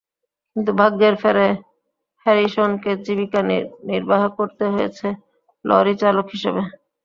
কিন্তু ভাগ্যের ফেরে হ্যারিসনকে জীবিকা নির্বাহ করতে হয়েছে লরি চালক হিসেবে।